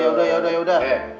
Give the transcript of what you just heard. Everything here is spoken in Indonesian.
yaudah deh yaudah